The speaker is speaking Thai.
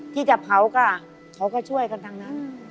ที่จะเผาค่ะเขาก็ช่วยกันทั้งนั้น